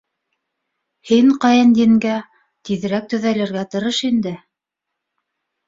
— Һин, ҡәйенйеңгә, тиҙерәк төҙәлергә тырыш инде.